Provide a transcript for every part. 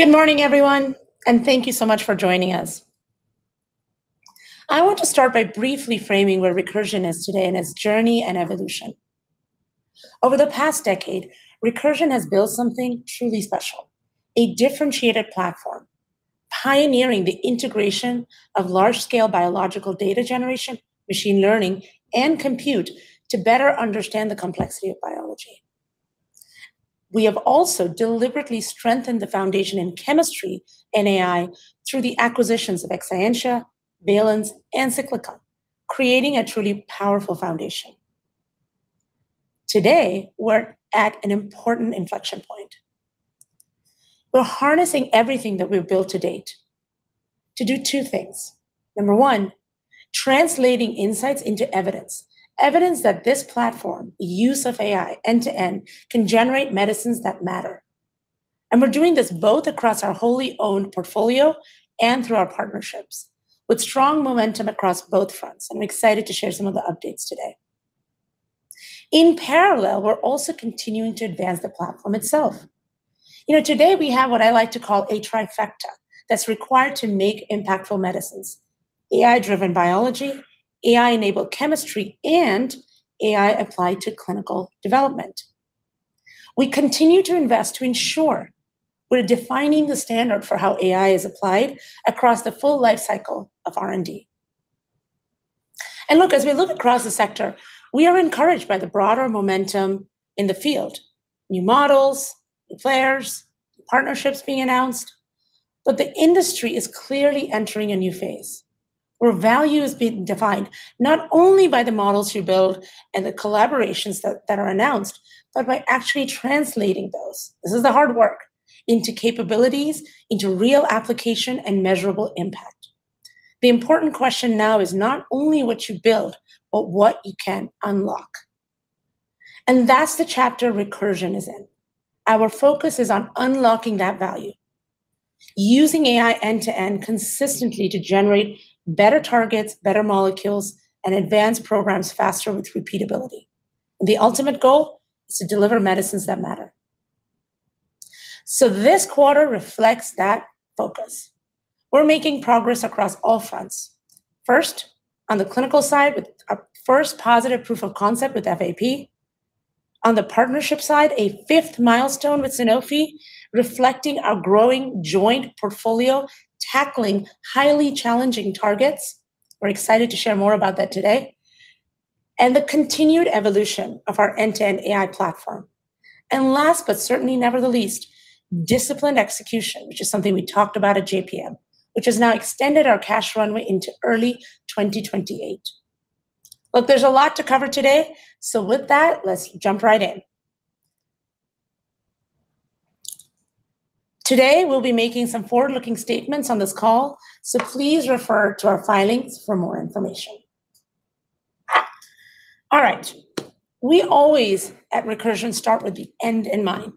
Good morning, everyone, thank you so much for joining us. I want to start by briefly framing where Recursion is today in its journey and evolution. Over the past decade, Recursion has built something truly special, a differentiated platform, pioneering the integration of large-scale biological data generation, machine learning, and compute to better understand the complexity of biology. We have also deliberately strengthened the foundation in chemistry and AI through the acquisitions of Exscientia, Valence, and Cyclica, creating a truly powerful foundation. Today, we're at an important inflection point. We're harnessing everything that we've built to date to do two things. Number one, translating insights into evidence. Evidence that this platform, the use of AI end-to-end, can generate medicines that matter. We're doing this both across our wholly owned portfolio and through our partnerships, with strong momentum across both fronts. I'm excited to share some of the updates today. In parallel, we're also continuing to advance the platform itself. You know, today we have what I like to call a trifecta that's required to make impactful medicines: AI-driven biology, AI-enabled chemistry, and AI applied to clinical development. We continue to invest to ensure we're defining the standard for how AI is applied across the full life cycle of R&D. Look, as we look across the sector, we are encouraged by the broader momentum in the field. New models, new players, partnerships being announced, the industry is clearly entering a new phase, where value is being defined not only by the models you build and the collaborations that are announced, but by actually translating those, this is the hard work, into capabilities, into real application and measurable impact. The important question now is not only what you build, but what you can unlock. That's the chapter Recursion is in. Our focus is on unlocking that value, using AI end-to-end consistently to generate better targets, better molecules, and advance programs faster with repeatability. The ultimate goal is to deliver medicines that matter. This quarter reflects that focus. We're making progress across all fronts. First, on the clinical side, with our first positive proof of concept with FAP. On the partnership side, a fifth milestone with Sanofi, reflecting our growing joint portfolio, tackling highly challenging targets. We're excited to share more about that today, and the continued evolution of our end-to-end AI platform. Last, but certainly never the least, disciplined execution, which is something we talked about at JPM, which has now extended our cash runway into early 2028. Look, there's a lot to cover today. With that, let's jump right in. Today, we'll be making some forward-looking statements on this call, so please refer to our filings for more information. All right. We always, at Recursion, start with the end in mind,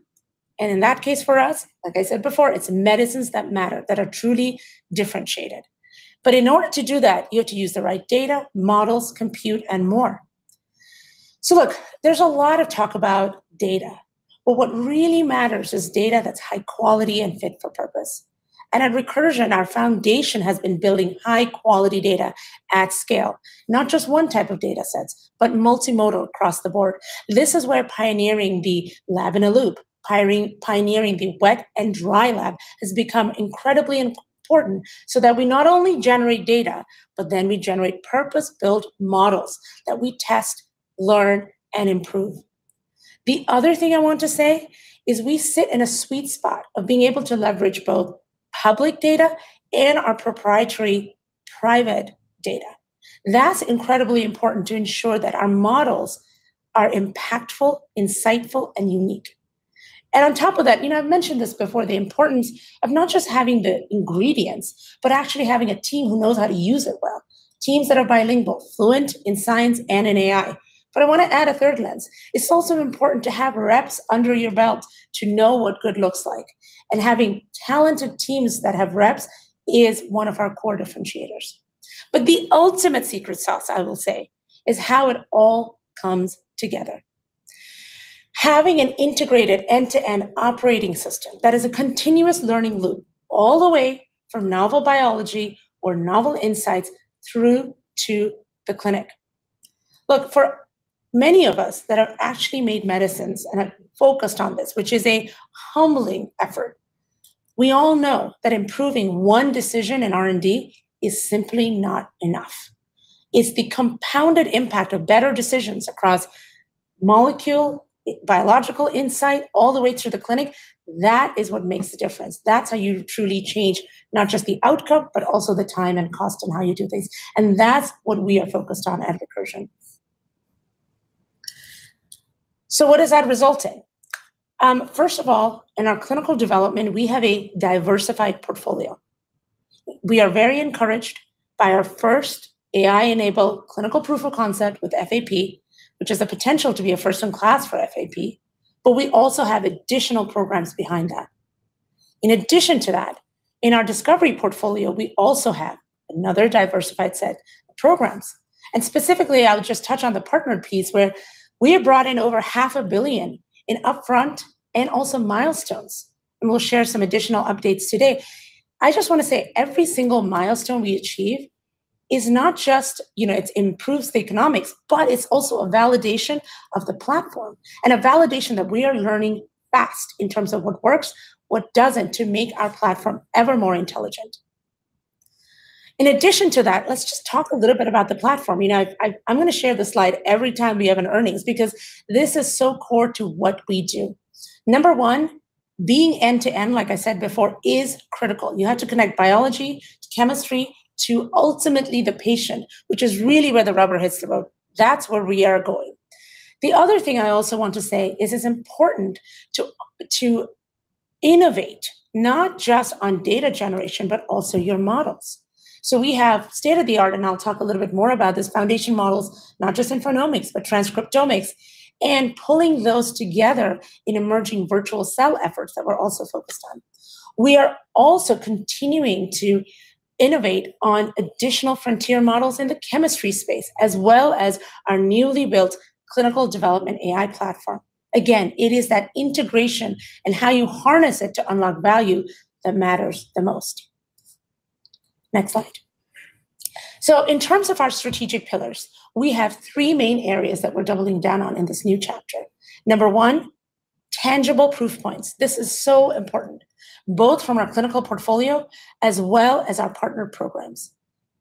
and in that case, for us, like I said before, it's medicines that matter, that are truly differentiated. In order to do that, you have to use the right data, models, compute, and more. Look, there's a lot of talk about data, but what really matters is data that's high quality and fit for purpose. At Recursion, our foundation has been building high-quality data at scale. Not just one type of data sets, but multimodal across the board. This is where pioneering the lab in a loop, pirion- pioneering the wet and dry lab, has become incredibly important. We not only generate data, we generate purpose-built models that we test, learn, and improve. The other thing I want to say is we sit in a sweet spot of being able to leverage both public data and our proprietary private data. That's incredibly important to ensure that our models are impactful, insightful, and unique. On top of that, you know, I've mentioned this before, the importance of not just having the ingredients, but actually having a team who knows how to use it well, teams that are bilingual, fluent in science and in AI. I want to add a third lens. It's also important to have reps under your belt to know what good looks like. Having talented teams that have reps is one of our core differentiators. The ultimate secret sauce, I will say, is how it all comes together. Having an integrated end-to-end operating system that is a continuous learning loop, all the way from novel biology or novel insights through to the clinic. Look, for many of us that have actually made medicines and have focused on this, which is a humbling effort, we all know that improving one decision in R&D is simply not enough. It's the compounded impact of better decisions across molecule, biological insight, all the way through the clinic, that is what makes the difference. That's how you truly change not just the outcome, but also the time and cost and how you do things. That's what we are focused on at Recursion. What does that result in? First of all, in our clinical development, we have a diversified portfolio. We are very encouraged by our first AI-enabled clinical proof of concept with FAP, which has the potential to be a first in class for FAP, but we also have additional programs behind that. In addition to that, in our discovery portfolio, we also have another diversified set of programs. Specifically, I'll just touch on the partner piece, where we have brought in over half a billion in upfront and also milestones, and we'll share some additional updates today. I just want to say, every single milestone we achieve is not just, you know, it improves the economics, but it's also a validation of the platform and a validation that we are learning fast in terms of what works, what doesn't, to make our platform ever more intelligent. In addition to that, let's just talk a little bit about the platform. You know, I'm gonna share this slide every time we have an earnings, because this is so core to what we do. Number one, being end-to-end, like I said before, is critical. You have to connect biology to chemistry to ultimately the patient, which is really where the rubber hits the road. That's where we are going. The other thing I also want to say is it's important to innovate, not just on data generation, but also your models. We have state-of-the-art, and I'll talk a little bit more about this, foundation models, not just in phenomics, but transcriptomics, and pulling those together in emerging virtual cell efforts that we're also focused on. We are also continuing to innovate on additional frontier models in the chemistry space, as well as our newly built clinical development AI platform. Again, it is that integration and how you harness it to unlock value that matters the most. Next slide. In terms of our strategic pillars, we have three main areas that we're doubling down on in this new chapter. Number one, tangible proof points. This is so important, both from our clinical portfolio as well as our partner programs.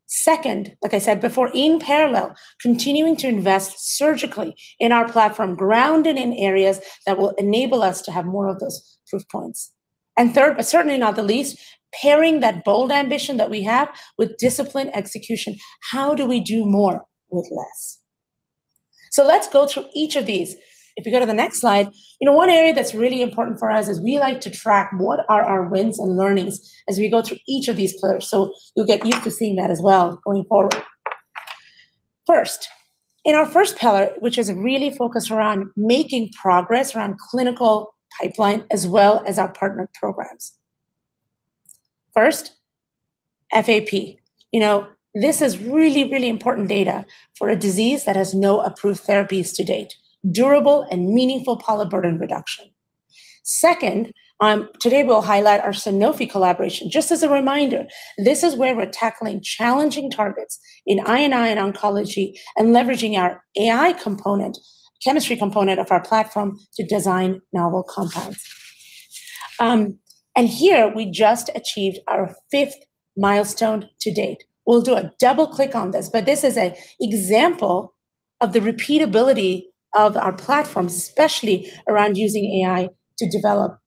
Second, like I said before, in parallel, continuing to invest surgically in our platform, grounded in areas that will enable us to have more of those proof points. Third, but certainly not the least, pairing that bold ambition that we have with disciplined execution. How do we do more with less? Let's go through each of these. If you go to the next slide, you know, one area that's really important for us is we like to track what are our wins and learnings as we go through each of these pillars, so you'll get used to seeing that as well going forward. First, in our first pillar, which is really focused around making progress around clinical pipeline, as well as our partner programs. First, FAP. You know, this is really, really important data for a disease that has no approved therapies to date, durable and meaningful polyp burden reduction. Second, today, we'll highlight our Sanofi collaboration. Just as a reminder, this is where we're tackling challenging targets in I&I and oncology, and leveraging our AI component, chemistry component of our platform to design novel compounds. Here we just achieved our fifth milestone to date. We'll do a double click on this is a example of the repeatability of our platforms, especially around using AI to develop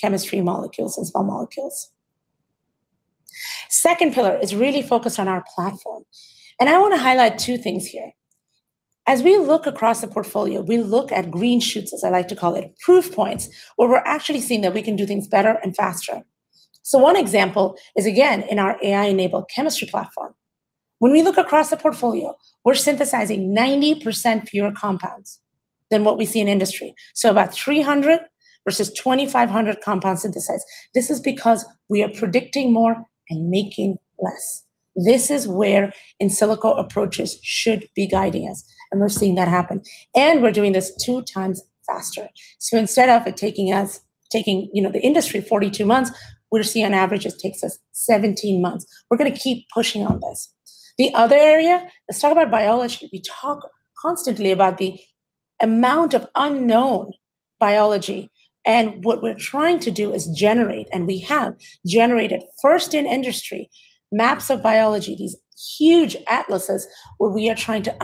chemistry molecules and small molecules. Second pillar is really focused on our platform, I want to highlight two things here. As we look across the portfolio, we look at green shoots, as I like to call it, proof points, where we're actually seeing that we can do things better and faster. One example is, again, in our AI-enabled chemistry platform. When we look across the portfolio, we're synthesizing 90% fewer compounds than what we see in industry, so about 300 versus 2,500 compounds synthesized. This is because we are predicting more and making less. This is where in silico approaches should be guiding us, and we're seeing that happen, and we're doing this two times faster. Instead of it taking us, you know, the industry 42 months, we're seeing on average it takes us 17 months. We're gonna keep pushing on this. The other area, let's talk about biology. We talk constantly about the amount of unknown biology, what we're trying to do is generate, and we have generated, first in industry, maps of biology, these huge atlases where we are trying to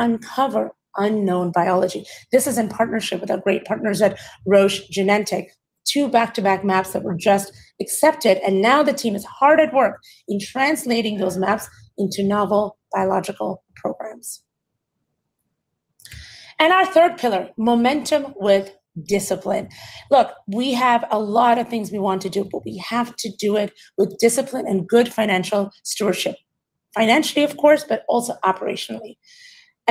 uncover unknown biology. This is in partnership with our great partners at Roche, Genentech. Two back-to-back maps that were just accepted, and now the team is hard at work in translating those maps into novel biological programs. Our third pillar, momentum with discipline. Look, we have a lot of things we want to do, but we have to do it with discipline and good financial stewardship. Financially, of course, but also operationally.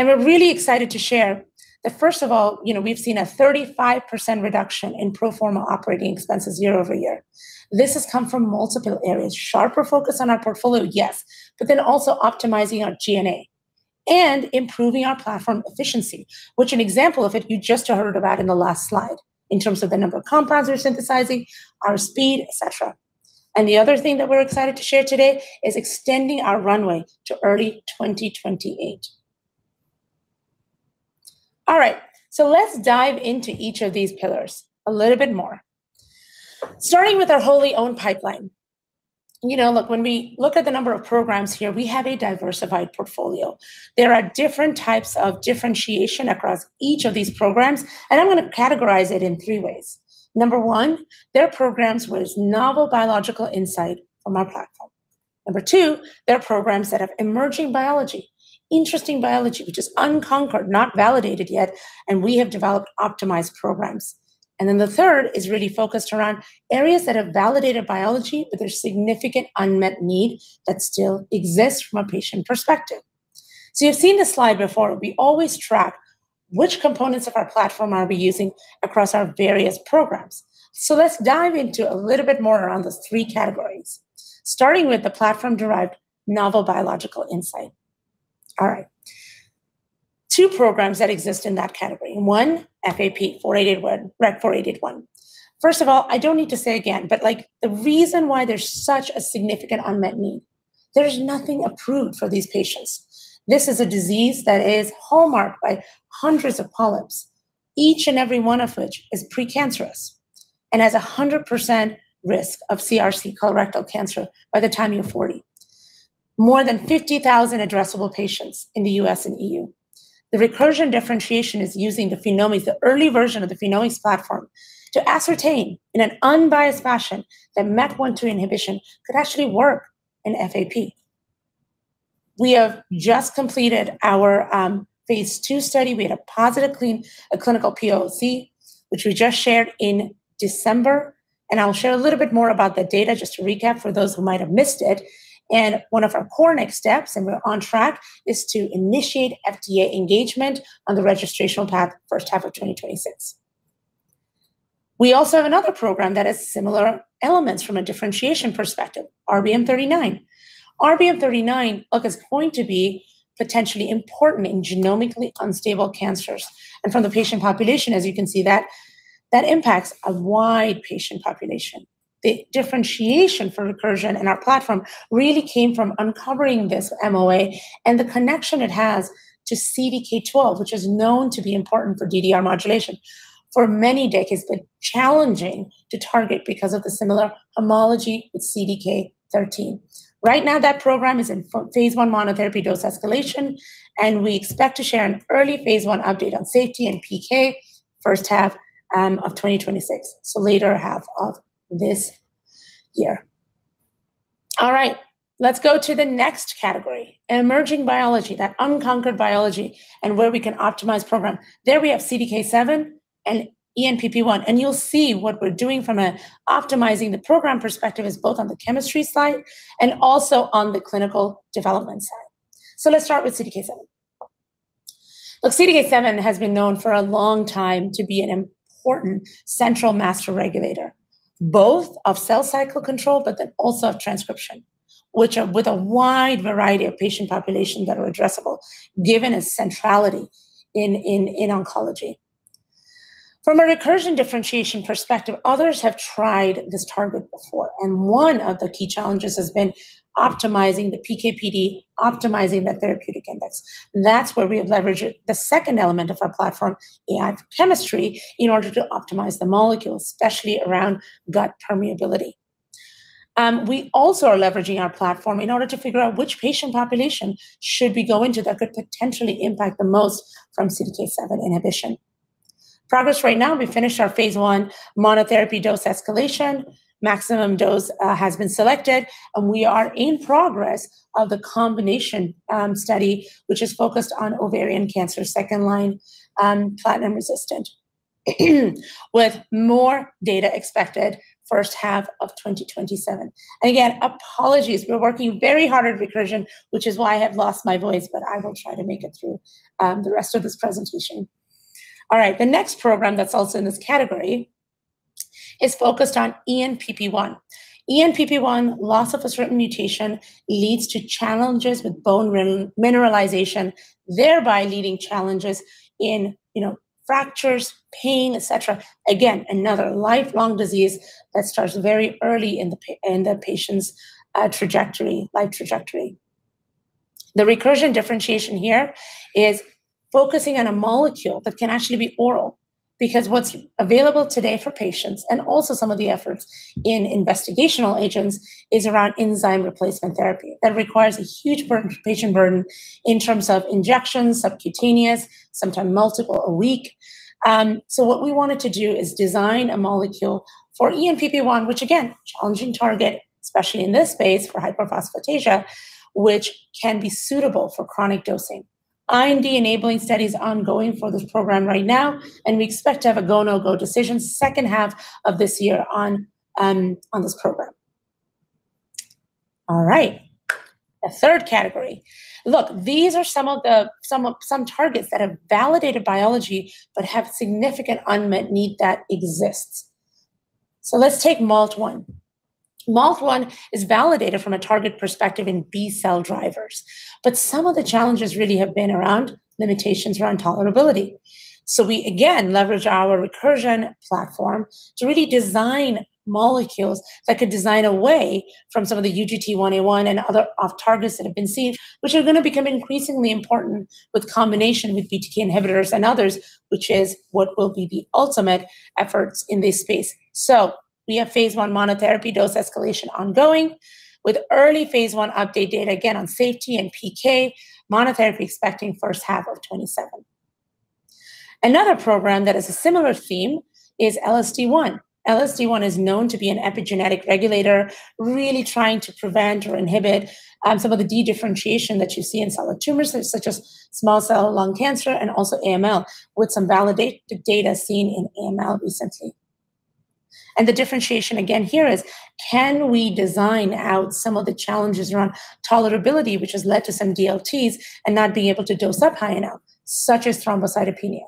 We're really excited to share that, first of all, you know, we've seen a 35% reduction in pro forma operating expenses year-over-year. This has come from multiple areas. Sharper focus on our portfolio, yes, but then also optimizing our G&A and improving our platform efficiency, which an example of it you just heard about in the last slide, in terms of the number of compounds we're synthesizing, our speed, et cetera. The other thing that we're excited to share today is extending our runway to early 2028. All right, let's dive into each of these pillars a little bit more, starting with our wholly owned pipeline. You know, look, when we look at the number of programs here, we have a diversified portfolio. There are different types of differentiation across each of these programs, and I'm gonna categorize it in three ways. Number one, they're programs with novel biological insight from our platform. Number two, they're programs that have emerging biology, interesting biology, which is unconquered, not validated yet, and we have developed optimized programs. The third is really focused around areas that have validated biology, but there's significant unmet need that still exists from a patient perspective. You've seen this slide before. We always track which components of our platform are we using across our various programs. Let's dive into a little bit more around those three categories, starting with the platform-derived novel biological insight. All right. Two programs that exist in that category, 1 FAP, 481, REC-4881. First of all, I don't need to say again, but, like, the reason why there's such a significant unmet need, there's nothing approved for these patients. This is a disease that is hallmarked by hundreds of polyps, each and every one of which is precancerous and has a 100% risk of CRC, colorectal cancer, by the time you're 40. More than 50,000 addressable patients in the U.S. and E.U. The Recursion differentiation is using the PhenomX, the early version of the PhenomX platform, to ascertain in an unbiased fashion that MET one, two inhibition could actually work in FAP. We have just completed our phase II study. We had a positive clean, a clinical POC, which we just shared in December, I'll share a little bit more about the data just to recap for those who might have missed it. One of our core next steps, and we're on track, is to initiate FDA engagement on the registrational path, first half of 2026. We also have another program that has similar elements from a differentiation perspective, RBM39. RBM39, look, is going to be potentially important in genomically unstable cancers, From the patient population, as you can see, that impacts a wide patient population. The differentiation for Recursion in our platform really came from uncovering this MOA and the connection it has to CDK12, which is known to be important for DDR modulation. For many decades, been challenging to target because of the similar homology with CDK13. Right now, that program is in phase I monotherapy dose escalation, and we expect to share an early phase I update on safety and PK first half of 2026, so later half of this year. All right, let's go to the next category, emerging biology, that unconquered biology and where we can optimize program. There we have CDK7 and ENPP1. You'll see what we're doing from a optimizing the program perspective is both on the chemistry side and also on the clinical development side. Let's start with CDK7. CDK7 has been known for a long time to be an important central master regulator, both of cell cycle control, but then also of transcription, with a wide variety of patient populations that are addressable, given its centrality in oncology. From a Recursion differentiation perspective, others have tried this target before, and one of the key challenges has been optimizing the PK/PD, optimizing the therapeutic index. That's where we have leveraged it, the second element of our platform, AI for chemistry, in order to optimize the molecule, especially around gut permeability. We also are leveraging our platform in order to figure out which patient population should we go into that could potentially impact the most from CDK7 inhibition. Progress right now, we finished our phase I monotherapy dose escalation. Maximum dose has been selected, and we are in progress of the combination study, which is focused on ovarian cancer, second-line, platinum resistant, with more data expected first half of 2027. Again apologies, we're working very hard at Recursion, which is why I have lost my voice, but I will try to make it through the rest of this presentation. The next program that's also in this category is focused on ENPP1. ENPP1, loss of a certain mutation leads to challenges with bone remineralization, thereby leading challenges in, you know, fractures, pain, et cetera. Another lifelong disease that starts very early in the patient's trajectory, life trajectory. The Recursion differentiation here is focusing on a molecule that can actually be oral, because what's available today for patients, and also some of the efforts in investigational agents, is around enzyme replacement therapy. That requires a huge burden, patient burden in terms of injections, subcutaneous, sometimes multiple a week. So what we wanted to do is design a molecule for ENPP1, which again, challenging target, especially in this space for hypophosphatasia, which can be suitable for chronic dosing. IND-enabling study is ongoing for this program right now, and we expect to have a go, no-go decision second half of this year on this program. All right, the third category. Look, these are some of the targets that have validated biology but have significant unmet need that exists. Let's take MALT1. MALT1 is validated from a target perspective in B-cell drivers, but some of the challenges really have been around limitations around tolerability. We again leverage our Recursion platform to really design molecules that could design a way from some of the UGT1A1 and other off targets that have been seen, which are gonna become increasingly important with combination with BTK inhibitors and others, which is what will be the ultimate efforts in this space. We have phase I monotherapy dose escalation ongoing, with early phase I update data again on safety and PK, monotherapy expecting first half of 2027. Another program that has a similar theme is LSD1. LSD1 is known to be an epigenetic regulator, really trying to prevent or inhibit, some of the dedifferentiation that you see in solid tumors, such as small cell lung cancer and also AML, with some validated data seen in AML recently. The differentiation again here is, can we design out some of the challenges around tolerability, which has led to some DLTs and not being able to dose up high enough, such as thrombocytopenia.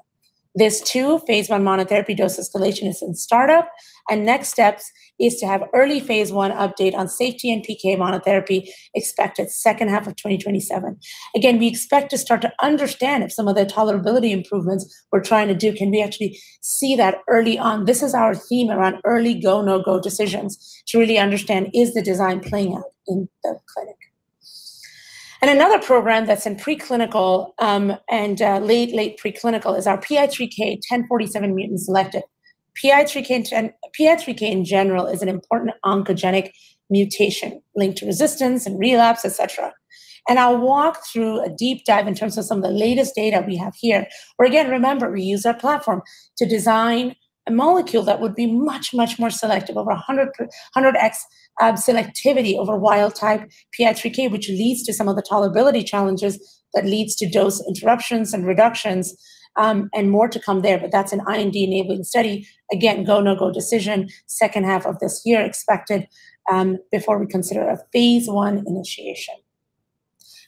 There's two phase I monotherapy dose escalation is in startup. Next steps is to have early phase I update on safety and PK monotherapy expected second half of 2027. Again, we expect to start to understand if some of the tolerability improvements we're trying to do, can we actually see that early on? This is our theme around early go, no-go decisions, to really understand is the design playing out in the clinic. Another program that's in preclinical, and late preclinical is our PI3K H1047R mutant selected. PI3K in general is an important oncogenic mutation linked to resistance and relapse, et cetera. I'll walk through a deep dive in terms of some of the latest data we have here. Where, again, remember, we use our platform to design a molecule that would be much, much more selective, over 100x, selectivity over wild type PI3K, which leads to some of the tolerability challenges that leads to dose interruptions and reductions, and more to come there. That's an IND-enabling study. Again, go, no-go decision, second half of this year expected before we consider a phase I initiation.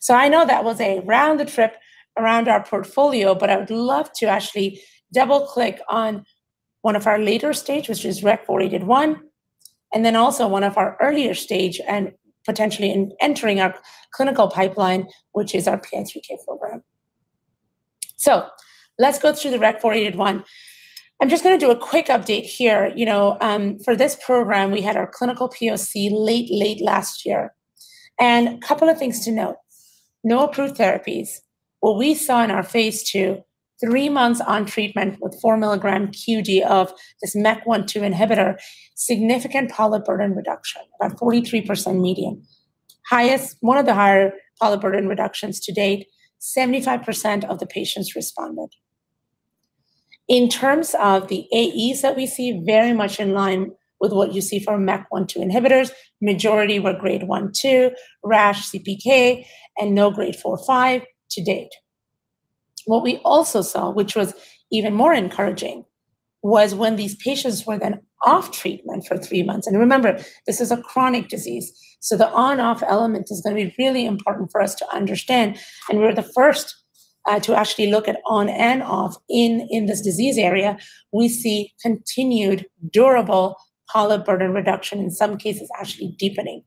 I know that was a rounded trip around our portfolio, but I would love to actually double-click on one of our later stage, which is REC-4881, and then also one of our earlier stage and potentially in entering our clinical pipeline, which is our PI3K program. Let's go through the REC-4881. I'm just gonna do a quick update here. You know, for this program, we had our clinical POC late last year. A couple of things to note. No approved therapies. What we saw in our phase II, three months on treatment with 4 mg QD of this MEK1/2 inhibitor, significant polyp burden reduction, about 43% median. One of the higher polyp burden reductions to date, 75% of the patients responded. In terms of the AEs that we see, very much in line with what you see from MEK1/2 inhibitors, majority were grade 1/2, rash, CPK, and no grade 4/5 to date. What we also saw, which was even more encouraging, was when these patients were then off treatment for three months. Remember, this is a chronic disease, so the on/off element is going to be really important for us to understand, and we're the first to actually look at on and off in this disease area, we see continued durable polyp burden reduction, in some cases, actually deepening,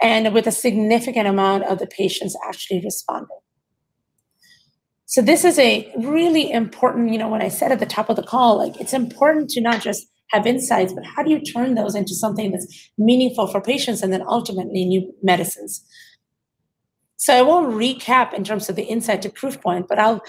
and with a significant amount of the patients actually responding. This is a really important... You know, when I said at the top of the call, like, it's important to not just have insights, but how do you turn those into something that's meaningful for patients and then ultimately, new medicines? I won't recap in terms of the insight to proof point, but I'll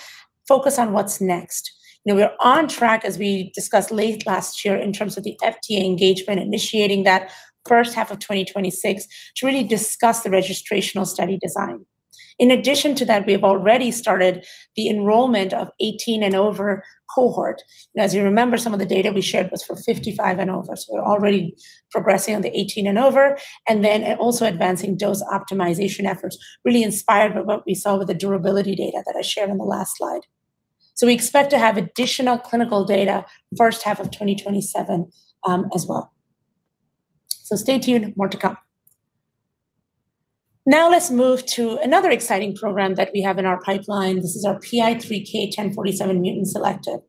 focus on what's next. You know, we're on track, as we discussed late last year, in terms of the FDA engagement, initiating that first half of 2026 to really discuss the registrational study design. In addition to that, we have already started the enrollment of 18 and over cohort. As you remember, some of the data we shared was for 55 and over. We're already progressing on the 18 and over, and also advancing dose optimization efforts, really inspired by what we saw with the durability data that I shared on the last slide. We expect to have additional clinical data first half of 2027, as well. Stay tuned, more to come. Let's move to another exciting program that we have in our pipeline. This is our PI3K 1047 mutant selective.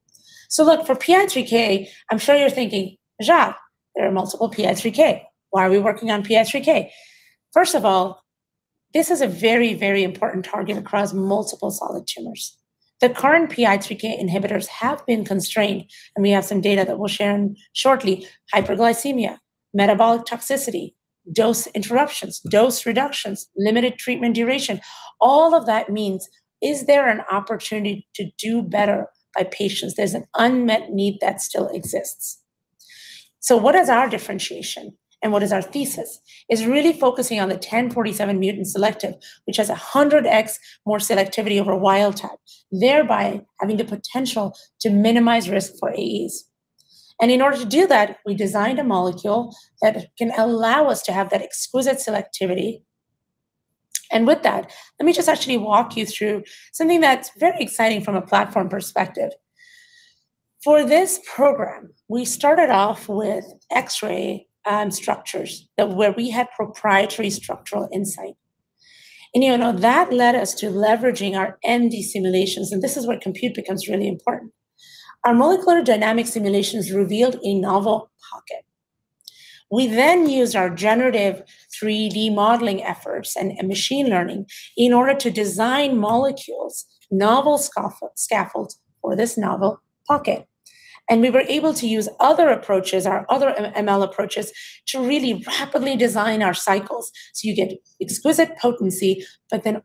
Look, for PI3K, I'm sure you're thinking, "Najat, there are multiple PI3K. Why are we working on PI3K?" First of all, this is a very, very important target across multiple solid tumors. The current PI3K inhibitors have been constrained, and we have some data that we'll share shortly. Hyperglycemia, metabolic toxicity, dose interruptions, dose reductions, limited treatment duration, all of that means is there an opportunity to do better by patients? There's an unmet need that still exists. What is our differentiation and what is our thesis? Is really focusing on the 1047 mutant selective, which has a 100x more selectivity over wild type, thereby having the potential to minimize risk for AEs. In order to do that, we designed a molecule that can allow us to have that exquisite selectivity. With that, let me just actually walk you through something that's very exciting from a platform perspective. For this program, we started off with X-ray, structures that where we had proprietary structural insight. You know, that led us to leveraging our MD simulations, and this is where compute becomes really important. Our Molecular Dynamics simulations revealed a novel pocket. We then used our generative 3D modeling efforts and machine learning in order to design molecules, novel scaffolds for this novel pocket. We were able to use other approaches, our other ML approaches, to really rapidly design our cycles. You get exquisite potency,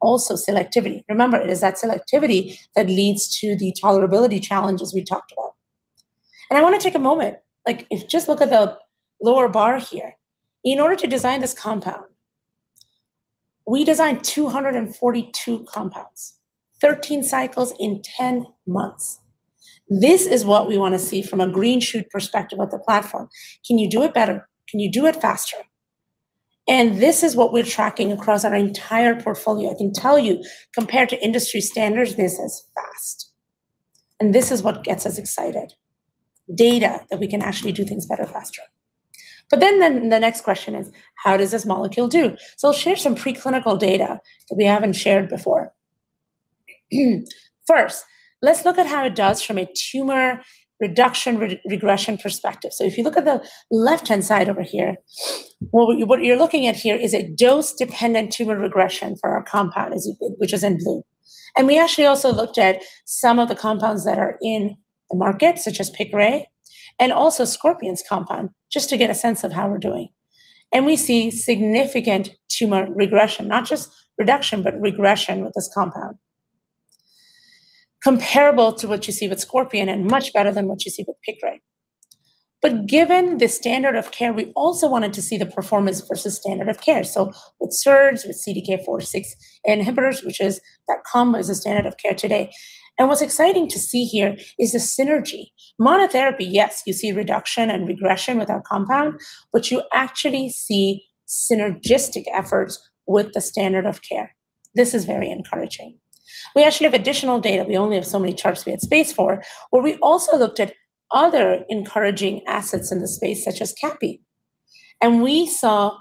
also selectivity. Remember, it is that selectivity that leads to the tolerability challenges we talked about. I want to take a moment. Just look at the lower bar here. In order to design this compound, we designed 242 compounds, 13 cycles in 10 months. This is what we want to see from a green shoot perspective of the platform. Can you do it better? Can you do it faster? This is what we're tracking across our entire portfolio. I can tell you, compared to industry standards, this is fast, and this is what gets us excited, data that we can actually do things better, faster. The next question is: how does this molecule do? I'll share some preclinical data that we haven't shared before. First, let's look at how it does from a tumor reduction regression perspective. If you look at the left-hand side over here, well, what you're looking at here is a dose-dependent tumor regression for our compound, which is in blue. We actually also looked at some of the compounds that are in the market, such as Piqray, and also Scorpion's compound, just to get a sense of how we're doing. We see significant tumor regression, not just reduction, but regression with this compound. Comparable to what you see with Scorpion and much better than what you see with Piqray. Given the standard of care, we also wanted to see the performance versus standard of care, so with SERDs, with CDK4/6 inhibitors, which is that combo is the standard of care today. What's exciting to see here is the synergy. Monotherapy, yes, you see reduction and regression with our compound, but you actually see synergistic efforts with the standard of care. This is very encouraging. We actually have additional data. We only have so many charts we had space for, where we also looked at other encouraging assets in the space, such as Capi. We saw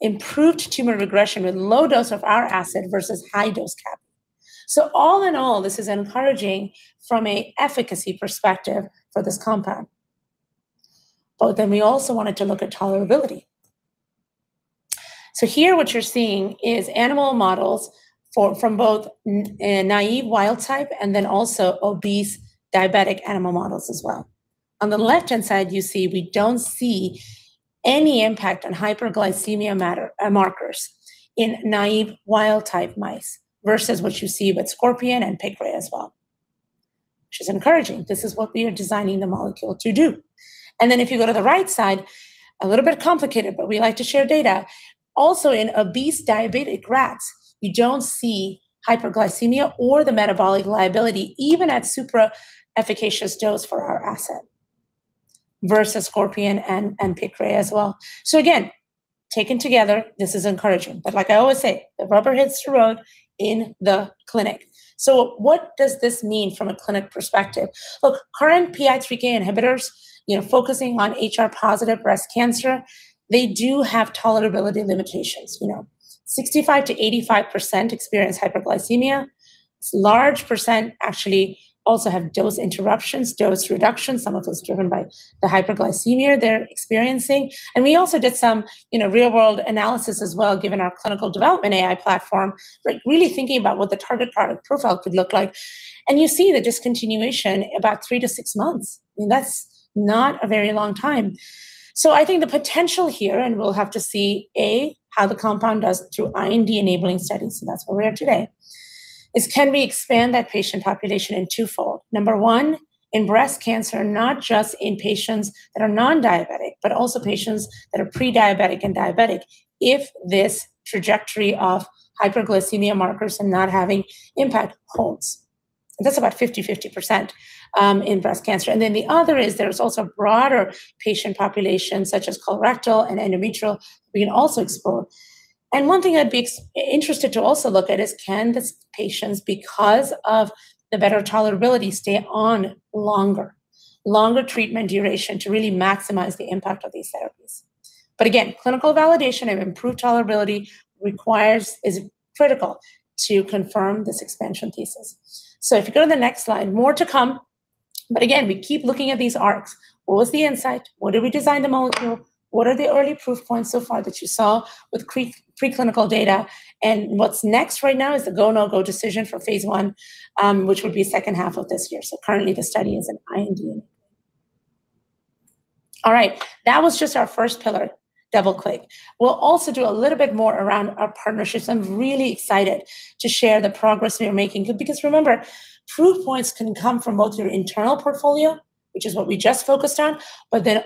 improved tumor regression with low dose of our asset versus high dose Capi. All in all, this is encouraging from an efficacy perspective for this compound. We also wanted to look at tolerability. Here what you're seeing is animal models for, from both naive wild type and then also obese diabetic animal models as well. On the left-hand side, you see we don't see any impact on hyperglycemia matter markers in naive, wild-type mice, versus what you see with Scorpion and Piqray as well, which is encouraging. This is what we are designing the molecule to do. If you go to the right side, a little bit complicated, but we like to share data. Also, in obese, diabetic rats, you don't see hyperglycemia or the metabolic liability, even at supra-efficacious dose for our asset, versus Scorpion and Piqray as well. Again, taken together, this is encouraging, but like I always say, the rubber hits the road in the clinic. What does this mean from a clinic perspective? Look, current PI3K inhibitors, you know, focusing on HR-positive breast cancer, they do have tolerability limitations. You know, 65%-85% experience hyperglycemia. Large percent actually also have dose interruptions, dose reductions, some of those driven by the hyperglycemia they're experiencing. We also did some, you know, real-world analysis as well, given our clinical development AI platform, like, really thinking about what the target product profile could look like. You see the discontinuation about three to six months. I mean, that's not a very long time. I think the potential here, and we'll have to see, A, how the compound does through IND-enabling studies, and that's where we are today, is can we expand that patient population in two-fold? Number one, in breast cancer, not just in patients that are non-diabetic, but also patients that are pre-diabetic and diabetic if this trajectory of hyperglycemia markers and not having impact holds. That's about 50%/50% in breast cancer. The other is there is also broader patient populations, such as colorectal and endometrial, we can also explore. One thing I'd be interested to also look at is, can these patients, because of the better tolerability, stay on longer treatment duration to really maximize the impact of these therapies? Again, clinical validation of improved tolerability is critical to confirm this expansion thesis. If you go to the next slide, more to come. Again, we keep looking at these arcs. What was the insight? What do we design the molecule? What are the early proof points so far that you saw with preclinical data? What's next right now is the go, no-go decision for phase I, which will be second half of this year. Currently, the study is in IND. All right. That was just our first pillar, double-click. We'll also do a little bit more around our partnerships. I'm really excited to share the progress we are making because remember, proof points can come from both your internal portfolio, which is what we just focused on,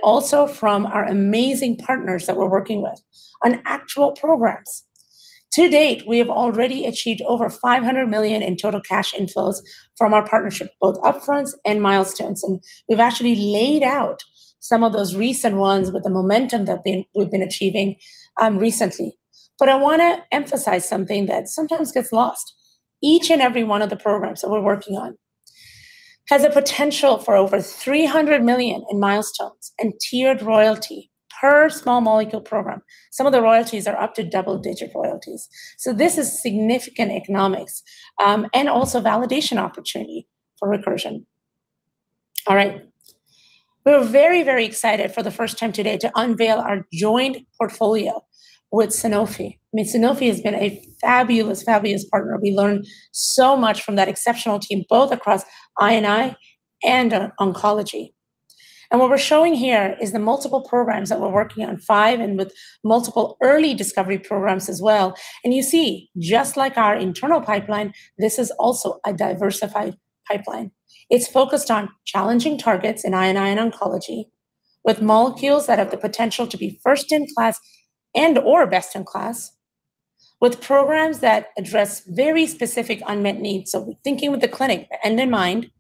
also from our amazing partners that we're working with on actual programs. To date, we have already achieved over $500 million in total cash inflows from our partnership, both upfront and milestones. We've actually laid out some of those recent ones with the momentum that we've been achieving recently. I wanna emphasize something that sometimes gets lost. Each and every one of the programs that we're working on has a potential for over $300 million in milestones and tiered royalty per small molecule program. Some of the royalties are up to double-digit royalties. This is significant economics, and also validation opportunity for Recursion. All right. We're very, very excited for the first time today to unveil our joint portfolio with Sanofi. I mean, Sanofi has been a fabulous partner. We learned so much from that exceptional team, both across I&I and oncology. What we're showing here is the multiple programs that we're working on, five, and with multiple early discovery programs as well, and you see, just like our internal pipeline, this is also a diversified pipeline. It's focused on challenging targets in I&I and oncology, with molecules that have the potential to be first-in-class and/or best-in-class, with programs that address very specific unmet needs. Thinking with the clinic end in mind-...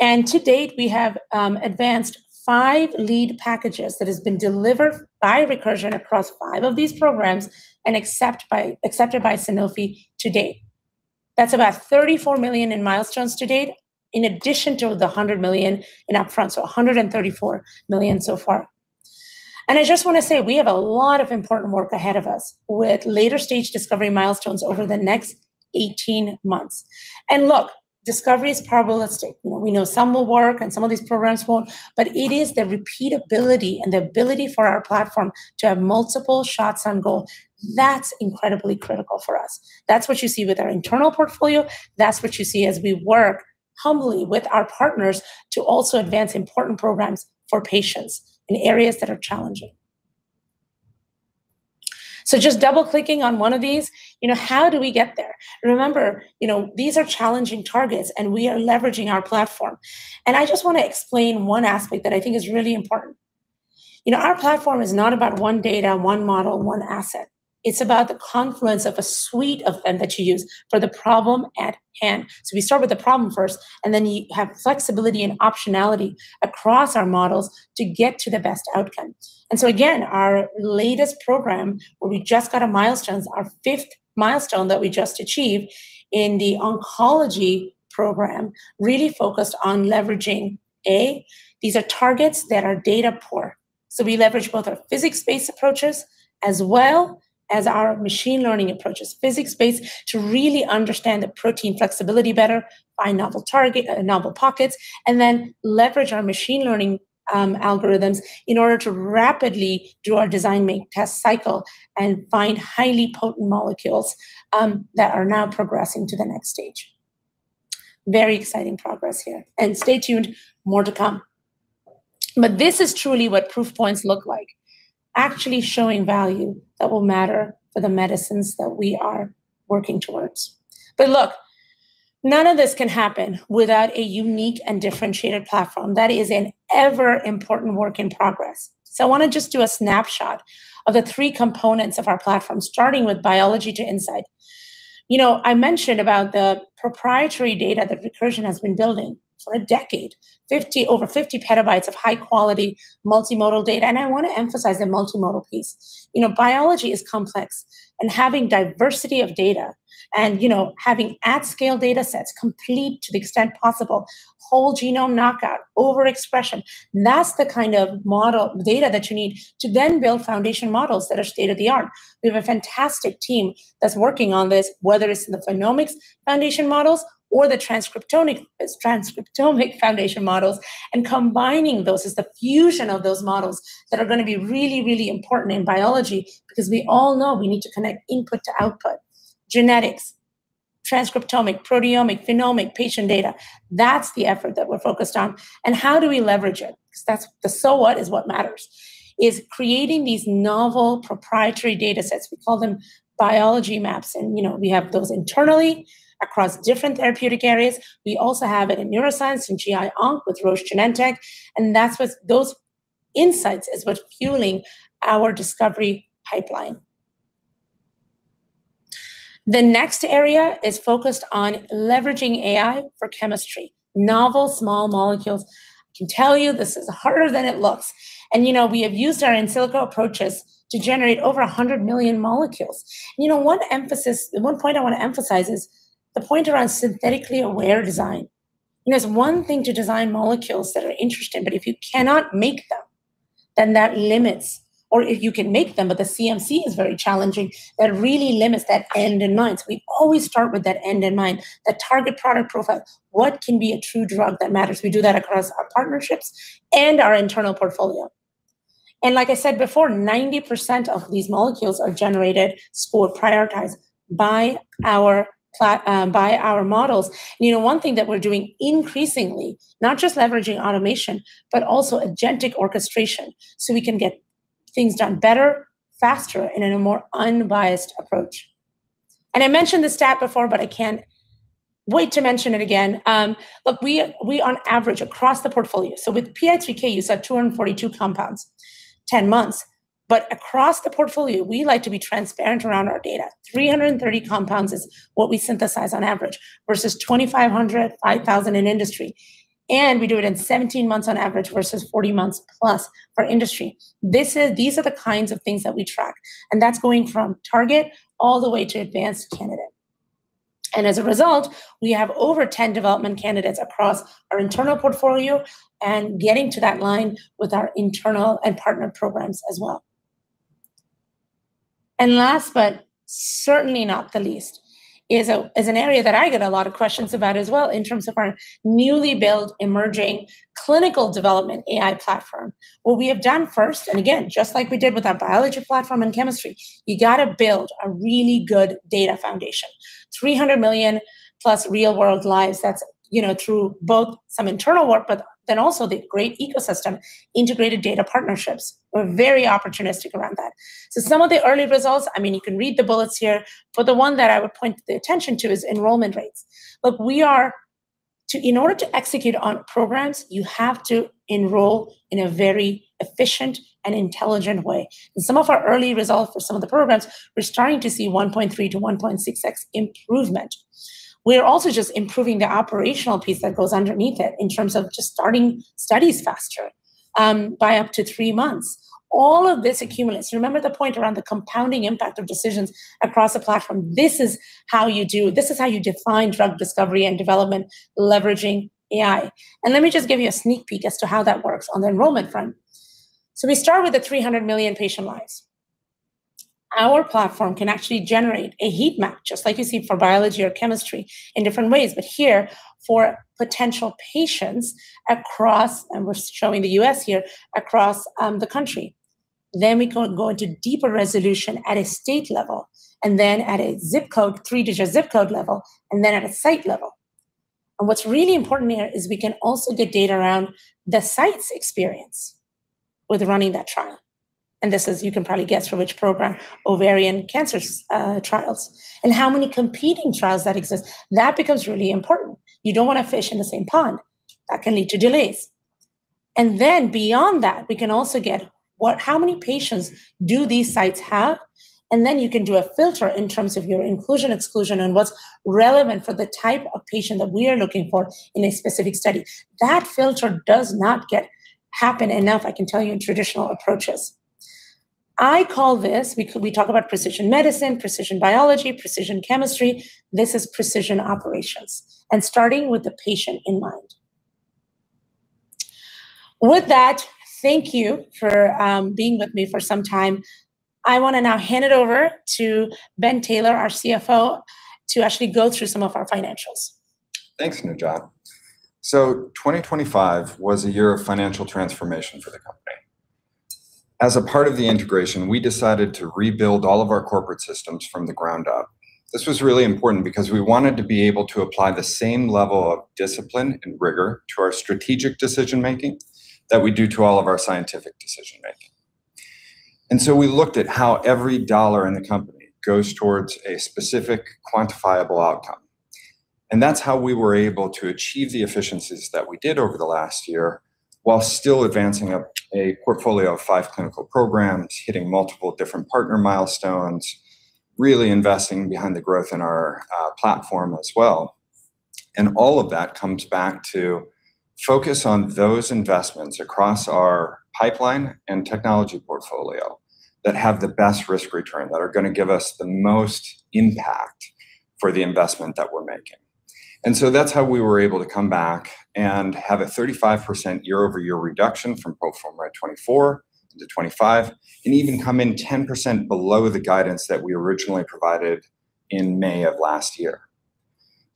To date, we have advanced five lead packages that has been delivered by Recursion across five of these programs and accepted by Sanofi to date. That's about $34 million in milestones to date in addition to the $100 million in upfront, so $134 million so far. I just wanna say, we have a lot of important work ahead of us, with later stage discovery milestones over the next 18 months. Look, discovery is probabilistic. We know some will work and some of these programs won't, but it is the repeatability and the ability for our platform to have multiple shots on goal, that's incredibly critical for us. That's what you see with our internal portfolio, that's what you see as we work humbly with our partners to also advance important programs for patients in areas that are challenging. Just double-clicking on one of these, you know, how do we get there? Remember, you know, these are challenging targets, and we are leveraging our platform. I just wanna explain one aspect that I think is really important. You know, our platform is not about one data, one model, one asset. It's about the confluence of a suite of them that you use for the problem at hand. We start with the problem first, and then you have flexibility and optionality across our models to get to the best outcome. Again, our latest program, where we just got a milestones, our fifth milestone that we just achieved in the oncology program, really focused on leveraging, A, these are targets that are data poor. We leverage both our physics-based approaches as well as our machine learning approaches. Physics-based, to really understand the protein flexibility better, find novel target, novel pockets, and then leverage our machine learning algorithms in order to rapidly do our design make test cycle and find highly potent molecules that are now progressing to the next stage. Very exciting progress here. Stay tuned, more to come. This is truly what proof points look like, actually showing value that will matter for the medicines that we are working towards. Look, none of this can happen without a unique and differentiated platform. That is an ever important work in progress. I wanna just do a snapshot of the three components of our platform, starting with biology to insight. You know, I mentioned about the proprietary data that Recursion has been building for a decade, 50, over 50 petabytes of high quality, multimodal data, and I wanna emphasize the multimodal piece. You know, biology is complex, and having diversity of data and, you know, having at-scale datasets complete to the extent possible, whole genome knockout, overexpression, that's the kind of model, data that you need to then build foundation models that are state-of-the-art. We have a fantastic team that's working on this, whether it's in the phenomics foundation models or the transcriptomic foundation models. Combining those is the fusion of those models that are gonna be really, really important in biology because we all know we need to connect input to output. Genetics, transcriptomic, proteomic, phenomic patient data, that's the effort that we're focused on. How do we leverage it? That's the so what is what matters. Is creating these novel proprietary datasets, we call them biology maps. You know, we have those internally across different therapeutic areas. We also have it in neuroscience, in GI onc with Roche, Genentech. That's what's those insights is what's fueling our discovery pipeline. The next area is focused on leveraging AI for chemistry, novel small molecules. I can tell you this is harder than it looks. You know, we have used our in silico approaches to generate over 100 million molecules. You know, one emphasis, one point I wanna emphasize is the point around synthetically aware design. It is one thing to design molecules that are interesting, but if you cannot make them, then that limits, or if you can make them, but the CMC is very challenging, that really limits that end in mind. We always start with that end in mind, the target product profile. What can be a true drug that matters? We do that across our partnerships and our internal portfolio. Like I said before, 90% of these molecules are generated or prioritized by our models. You know, one thing that we're doing increasingly, not just leveraging automation, but also agentic orchestration, so we can get things done better, faster, and in a more unbiased approach. I mentioned this stat before, but I can't wait to mention it again. Look, we on average, across the portfolio, so with PI3K, you saw 242 compounds, 10 months. Across the portfolio, we like to be transparent around our data. 330 compounds is what we synthesize on average, versus 2,500, 5,000 in industry, and we do it in 17 months on average versus 40 months+ for industry. These are the kinds of things that we track, and that's going from target all the way to advanced candidate. As a result, we have over 10 development candidates across our internal portfolio and getting to that line with our internal and partner programs as well. Last, but certainly not the least, is an area that I get a lot of questions about as well in terms of our newly built emerging clinical development AI platform. What we have done first, and again, just like we did with our biology platform and chemistry, you gotta build a really good data foundation. 300 million+ real world lives, that's, you know, through both some internal work, but then also the great ecosystem, integrated data partnerships. We're very opportunistic around that. Some of the early results, I mean, you can read the bullets here, but the one that I would point the attention to is enrollment rates. Look, in order to execute on programs, you have to enroll in a very efficient and intelligent way. In some of our early results for some of the programs, we're starting to see 1.3x to 1.6x improvement. We are also just improving the operational piece that goes underneath it in terms of just starting studies faster, by up to three months. All of this accumulates. Remember the point around the compounding impact of decisions across the platform? This is how you define drug discovery and development, leveraging AI. Let me just give you a sneak peek as to how that works on the enrollment front. We start with the 300 million patient lives. Our platform can actually generate a heat map, just like you see for biology or chemistry, in different ways, but here for potential patients across, and we're showing the U.S. here, across the country. We can go into deeper resolution at a state level, and then at a zip code, three-digit zip code level, and then at a site level. What's really important here is we can also get data around the site's experience with running that trial, and this is, you can probably guess from which program, ovarian cancer trials, and how many competing trials that exist. That becomes really important. You don't want to fish in the same pond. That can lead to delays. Beyond that, we can also get how many patients do these sites have? Then you can do a filter in terms of your inclusion, exclusion, and what's relevant for the type of patient that we are looking for in a specific study. That filter does not get happen enough, I can tell you, in traditional approaches. I call this. We talk about precision medicine, precision biology, precision chemistry. This is precision operations, and starting with the patient in mind. With that, thank you for being with me for some time. I want to now hand it over to Ben Taylor, our CFO, to actually go through some of our financials. Thanks, Najat. 2025 was a year of financial transformation for the company. As a part of the integration, we decided to rebuild all of our corporate systems from the ground up. This was really important because we wanted to be able to apply the same level of discipline and rigor to our strategic decision making that we do to all of our scientific decision making. We looked at how every dollar in the company goes towards a specific quantifiable outcome, and that's how we were able to achieve the efficiencies that we did over the last year, while still advancing a portfolio of five clinical programs, hitting multiple different partner milestones, really investing behind the growth in our platform as well. All of that comes back to focus on those investments across our pipeline and technology portfolio that have the best risk return, that are gonna give us the most impact for the investment that we're making. That's how we were able to come back and have a 35% year-over-year reduction from pro forma R&D 2024 to 2025, and even come in 10% below the guidance that we originally provided in May of last year.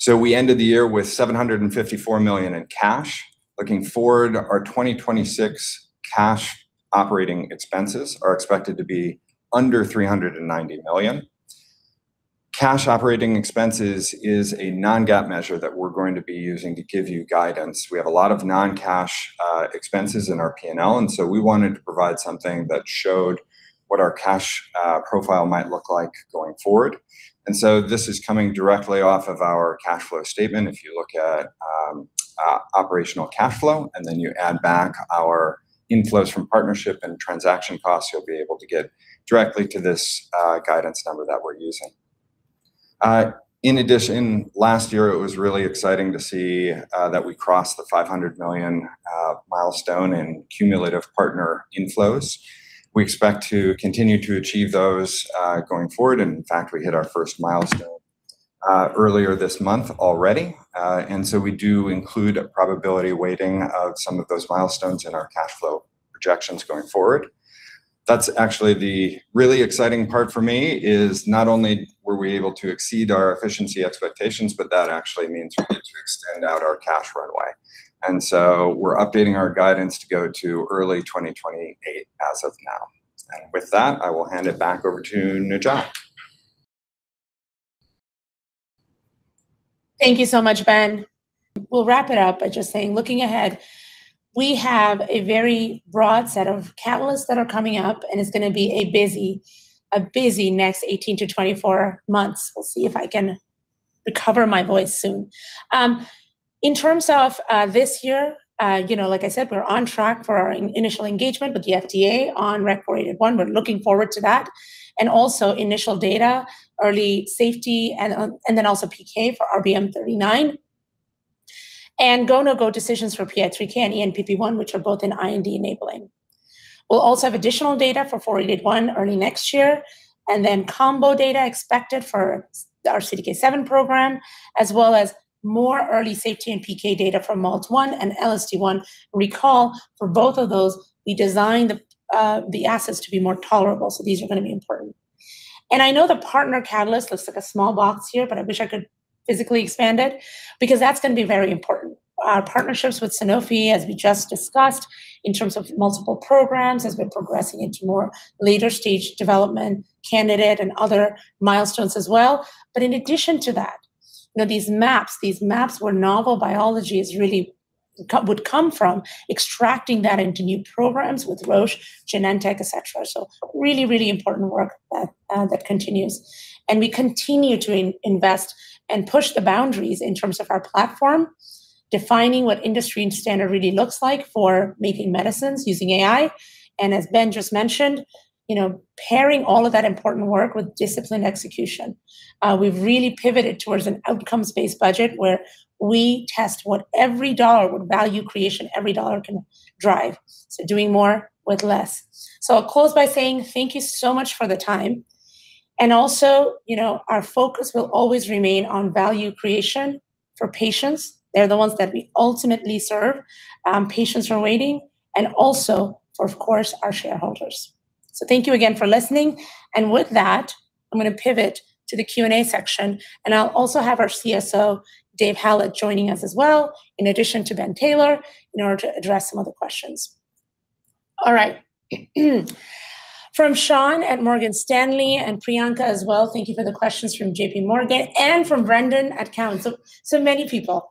We ended the year with $754 million in cash. Looking forward, our 2026 cash operating expenses are expected to be under $390 million. Cash operating expenses is a non-GAAP measure that we're going to be using to give you guidance. We have a lot of non-cash expenses in our P&L. We wanted to provide something that showed what our cash profile might look like going forward. This is coming directly off of our cash flow statement. If you look at operational cash flow, then you add back our inflows from partnership and transaction costs, you'll be able to get directly to this guidance number that we're using. Last year, it was really exciting to see that we crossed the $500 million milestone in cumulative partner inflows. We expect to continue to achieve those going forward. In fact, we hit our first milestone earlier this month already. We do include a probability weighting of some of those milestones in our cash flow projections going forward. That's actually the really exciting part for me, is not only were we able to exceed our efficiency expectations, that actually means we get to extend out our cash runway. We're updating our guidance to go to early 2028 as of now. With that, I will hand it back over to Najat. Thank you so much, Ben. We'll wrap it up by just saying, looking ahead, we have a very broad set of catalysts that are coming up, and it's gonna be a busy 18-24 months. We'll see if I can recover my voice soon. In terms of this year, you know, like I said, we're on track for our initial engagement with the FDA on REC-4881. We're looking forward to that, and also initial data, early safety, and then also PK for RBM39, and Go/No Go decisions for PI3K and ENPP1, which are both in IND-enabling. We'll also have additional data for REC-4881 early next year, and then combo data expected for the CDK7 program, as well as more early safety and PK data from MALT1 and LSD1. Recall, for both of those, we designed the assets to be more tolerable, so these are going to be important. I know the partner catalyst looks like a small box here, but I wish I could physically expand it, because that's going to be very important. Our partnerships with Sanofi, as we just discussed, in terms of multiple programs, as we're progressing into more later-stage development, candidate and other milestones as well. In addition to that, you know, these maps, these maps where novel biology is really would come from extracting that into new programs with Roche, Genentech, et cetera. Really, really important work that continues. We continue to invest and push the boundaries in terms of our platform, defining what industry and standard really looks like for making medicines using AI. As Ben just mentioned, you know, pairing all of that important work with disciplined execution. We've really pivoted towards an outcomes-based budget, where we test what every dollar value creation, every dollar can drive. Doing more with less. I'll close by saying thank you so much for the time, also, you know, our focus will always remain on value creation for patients. They're the ones that we ultimately serve, patients are waiting, and also, of course, our shareholders. Thank you again for listening, and with that, I'm going to pivot to the Q&A section, and I'll also have our CSO, Dave Hallett, joining us as well, in addition to Ben Taylor, in order to address some of the questions. All right. From Sean at Morgan Stanley and Priyanka as well, thank you for the questions from JPMorgan and from Brendan at Cantor. So many people.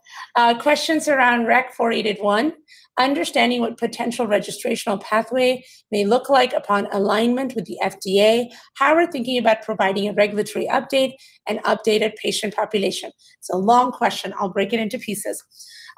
Questions around REC-4881, understanding what potential registrational pathway may look like upon alignment with the FDA. How are we thinking about providing a regulatory update and updated patient population? It's a long question. I'll break it into pieces.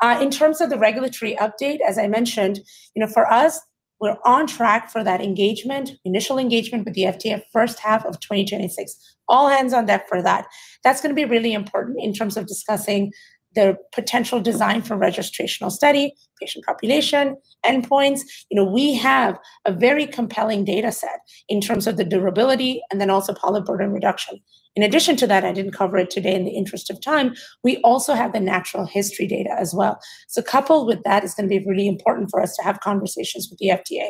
In terms of the regulatory update, as I mentioned, you know, for us, we're on track for that engagement, initial engagement with the FDA, first half of 2026. All hands on deck for that. That's going to be really important in terms of discussing the potential design for registrational study, patient population, endpoints. You know, we have a very compelling data set in terms of the durability and then also poly burden reduction. In addition to that, I didn't cover it today in the interest of time, we also have the natural history data as well. Coupled with that, it's going to be really important for us to have conversations with the FDA.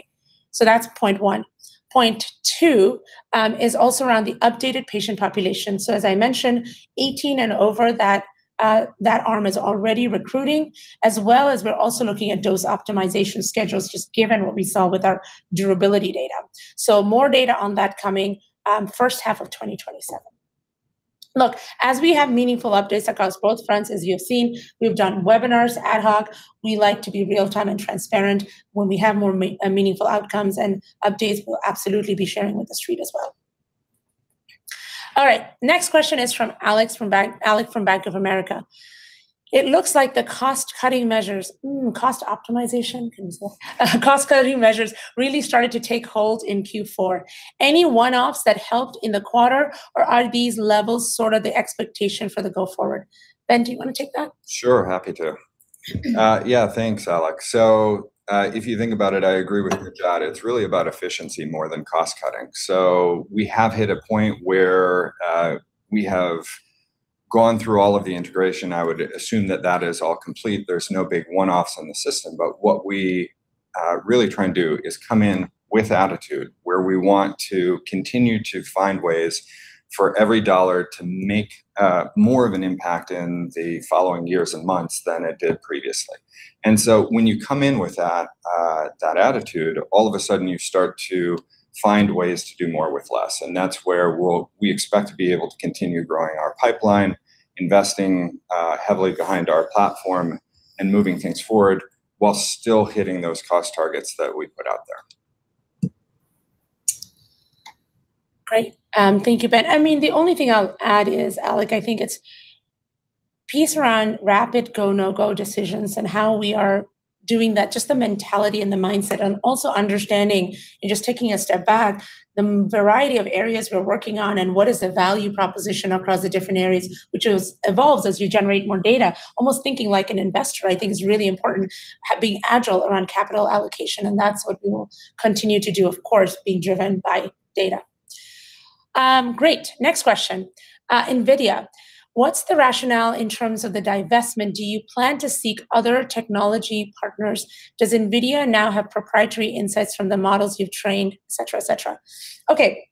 That's point one. Point two is also around the updated patient population. As I mentioned, 18 and over, that arm is already recruiting, as well as we're also looking at dose optimization schedules, just given what we saw with our durability data. More data on that coming, first half of 2027. Look, as we have meaningful updates across both fronts, as you have seen, we've done webinars ad hoc. We like to be real-time and transparent. When we have more meaningful outcomes and updates, we'll absolutely be sharing with the street as well. All right, next question is from Alex from Bank of America. "It looks like the cost-cutting measures, cost optimization, cost-cutting measures really started to take hold in Q4. Any one-offs that helped in the quarter, or are these levels sort of the expectation for the go forward?" Ben, do you want to take that? Sure, happy to. Yeah, thanks, Alex. If you think about it, I agree with Priyanka. It's really about efficiency more than cost cutting. We have hit a point where, we have gone through all of the integration. I would assume that that is all complete. There's no big one-offs on the system. What we are really trying to do is come in with attitude, where we want to continue to find ways for every dollar to make, more of an impact in the following years and months than it did previously. When you come in with that attitude, all of a sudden, you start to find ways to do more with less, and that's where we expect to be able to continue growing our pipeline, investing heavily behind our platform, and moving things forward while still hitting those cost targets that we put out there. Great. Thank you, Ben. I mean, the only thing I'll add is, Alex, I think it's piece around rapid go, no-go decisions and how we are doing that, just the mentality and the mindset, and also understanding and just taking a step back, the variety of areas we're working on and what is the value proposition across the different areas, which is, evolves as you generate more data. Almost thinking like an investor, I think, is really important, being agile around capital allocation, and that's what we will continue to do, of course, being driven by data. Great. Next question. NVIDIA, what's the rationale in terms of the divestment? Do you plan to seek other technology partners? Does NVIDIA now have proprietary insights from the models you've trained, et cetera, et cetera? Okay,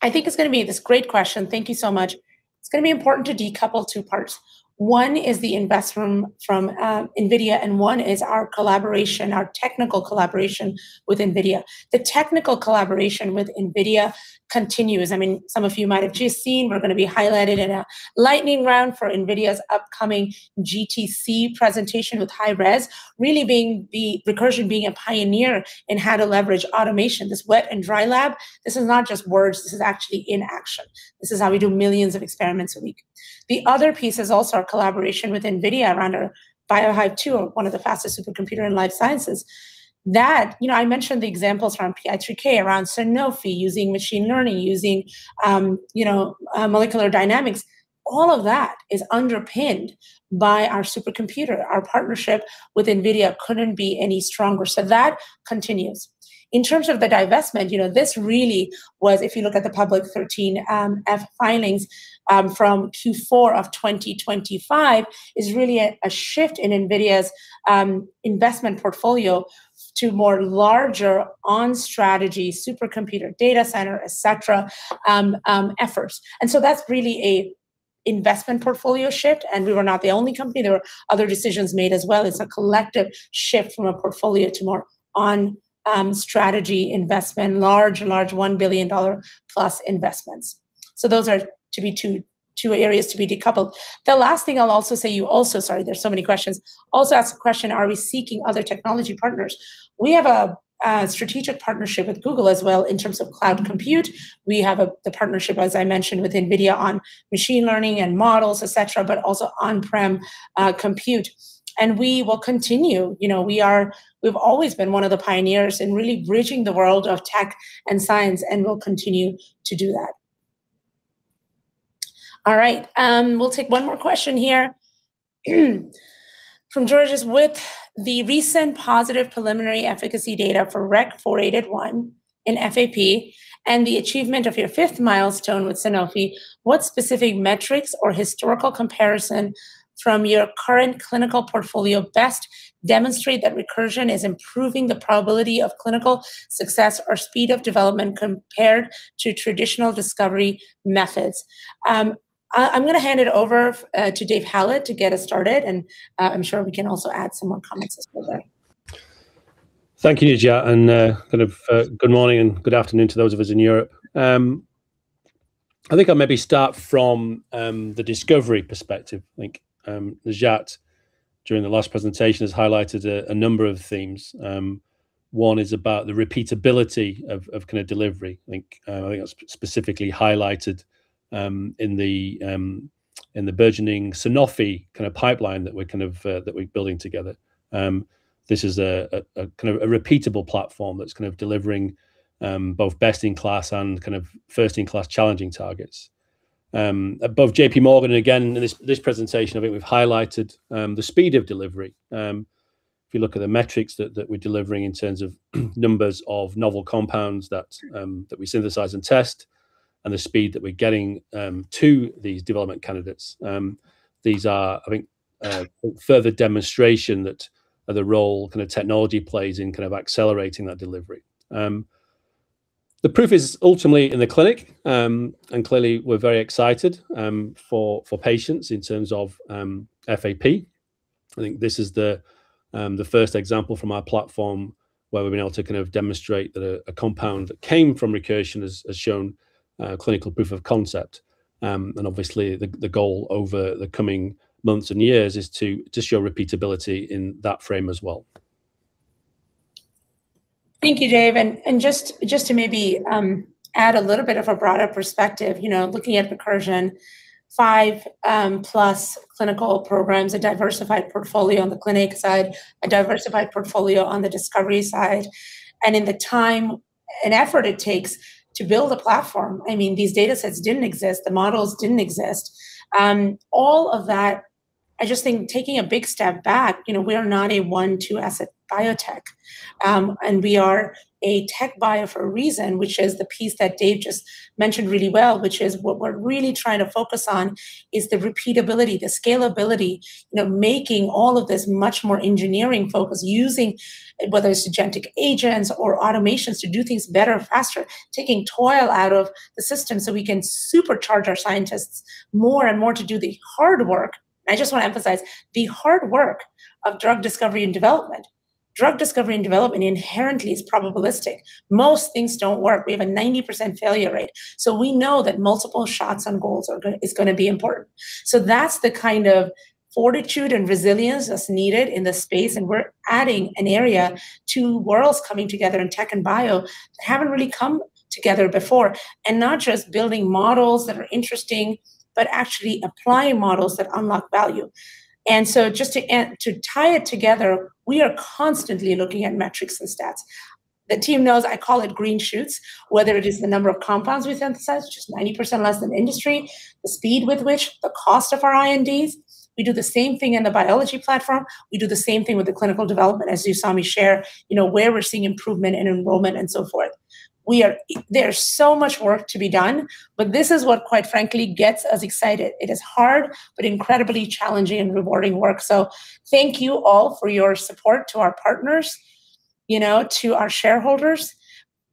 I think it's going to be this great question. Thank you so much. It's going to be important to decouple two parts. One is the investment from NVIDIA, and one is our collaboration, our technical collaboration with NVIDIA. The technical collaboration with NVIDIA continues. I mean, some of you might have just seen, we're going to be highlighted in a lightning round for NVIDIA's upcoming GTC presentation with HighRes, really being the, Recursion being a pioneer in how to leverage automation, this wet and dry lab. This is not just words, this is actually in action. This is how we do millions of experiments a week. The other piece is also our collaboration with NVIDIA around our BioHive-2, one of the fastest supercomputer in life sciences. That, you know, I mentioned the examples from PI3K, around Sanofi, using machine learning, using, you know, molecular dynamics. All of that is underpinned by our supercomputer. Our partnership with NVIDIA couldn't be any stronger, that continues. In terms of the divestment, you know, this really was, if you look at the public 13F filings from Q4 of 2025, is really a shift in NVIDIA's investment portfolio to more larger on strategy, supercomputer, data center, et cetera, efforts. That's really a investment portfolio shift, we were not the only company. There were other decisions made as well. It's a collective shift from a portfolio to more on strategy investment, large $1 billion+ investments. Those are to be two areas to be decoupled. The last thing I'll also say, sorry, there's so many questions. Also ask a question, are we seeking other technology partners? We have a strategic partnership with Google as well in terms of cloud compute. We have the partnership, as I mentioned, with NVIDIA on machine learning and models, et cetera, but also on-prem compute. We will continue. You know, we've always been one of the pioneers in really bridging the world of tech and science, and we'll continue to do that. All right, we'll take one more question here. From George's, "With the recent positive preliminary efficacy data for REC-4881 in FAP and the achievement of your fifth milestone with Sanofi, what specific metrics or historical comparison from your current clinical portfolio best demonstrate that Recursion is improving the probability of clinical success or speed of development compared to traditional discovery methods?" I'm gonna hand it over to Dave Hallett to get us started, and I'm sure we can also add some more comments as well. Thank you, Najat, and kind of good morning and good afternoon to those of us in Europe. I think I'll maybe start from the discovery perspective. I think Najat, during the last presentation, has highlighted a number of themes. One is about the repeatability of kinda delivery. I think that's specifically highlighted in the burgeoning Sanofi kinda pipeline that we're kind of that we're building together. This is a kinda repeatable platform that's kind of delivering both best-in-class and kind of first-in-class challenging targets. Above JPMorgan, and again, in this presentation, I think we've highlighted the speed of delivery. If you look at the metrics that we're delivering in terms of numbers of novel compounds that we synthesize and test, and the speed that we're getting, to these development candidates, these are, I think, further demonstration that the role kinda technology plays in kind of accelerating that delivery. The proof is ultimately in the clinic, and clearly, we're very excited, for patients in terms of, FAP. I think this is the first example from our platform where we've been able to kind of demonstrate that a compound that came from Recursion has shown, clinical proof of concept. Obviously, the goal over the coming months and years is to show repeatability in that frame as well. Thank you, Dave. Just to maybe add a little bit of a broader perspective, you know, looking at Recursion, five plus clinical programs, a diversified portfolio on the clinic side, a diversified portfolio on the discovery side, and in the time and effort it takes to build a platform, I mean, these datasets didn't exist, the models didn't exist. All of that, I just think taking a big step back, you know, we're not a one, two asset biotech. We are a tech bio for a reason, which is the piece that Dave just mentioned really well, which is what we're really trying to focus on is the repeatability, the scalability, you know, making all of this much more engineering focus, using, whether it's agentic agents or automations, to do things better and faster, taking toil out of the system so we can supercharge our scientists more and more to do the hard work. I just wanna emphasize the hard work of drug discovery and development. Drug discovery and development inherently is probabilistic. Most things don't work. We have a 90% failure rate, so we know that multiple shots on goals is gonna be important. That's the kind of fortitude and resilience that's needed in this space, and we're adding an area, two worlds coming together in tech and bio, that haven't really come together before. Not just building models that are interesting, but actually applying models that unlock value. Just to tie it together, we are constantly looking at metrics and stats. The team knows I call it green shoots, whether it is the number of compounds we synthesize, which is 90% less than industry, the speed with which, the cost of our INDs. We do the same thing in the biology platform, we do the same thing with the clinical development, as you saw me share, you know, where we're seeing improvement in enrollment and so forth. There's so much work to be done, but this is what, quite frankly, gets us excited. It is hard, but incredibly challenging and rewarding work. Thank you all for your support to our partners, you know, to our shareholders,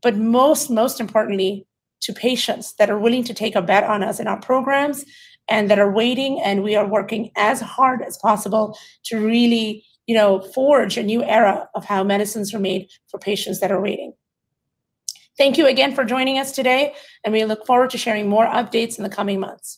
but most importantly, to patients that are willing to take a bet on us and our programs, and that are waiting. We are working as hard as possible to really, you know, forge a new era of how medicines are made for patients that are waiting. Thank you again for joining us today. We look forward to sharing more updates in the coming months.